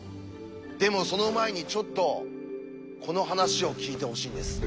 でもその前にちょっとこの話を聞いてほしいんです。